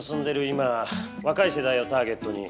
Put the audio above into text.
今若い世代をターゲットに。